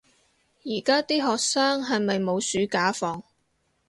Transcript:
而家啲學生係咪冇暑假放